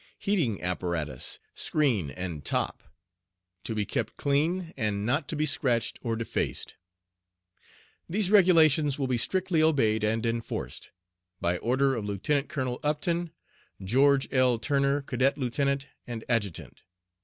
HEATING APPARATUS, SCREEN AND TOP. To be kept clean, and not to be scratched or defaced. These Regulations will be strictly obeyed and enforced. By order of LIEUT. COLONEL UPTON, GEORGE L. TURNER, Cadet Lieut. and Adjutant.